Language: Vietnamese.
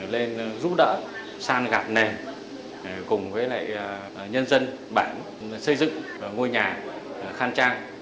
nên giúp đỡ san gạp nền cùng với lại nhân dân bản xây dựng ngôi nhà khăn trang